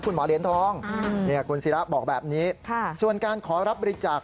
หมอเหรียญทองคุณศิราบอกแบบนี้ส่วนการขอรับบริจาค